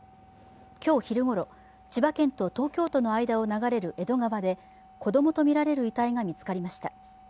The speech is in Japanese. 今日昼ごろ、千葉県と東京都の間を流れる江戸川で子供とみられる遺体が見つかりました。